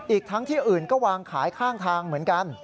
อีกทั้งที่อื่นก็วางขายข้างทางเหมือนกัน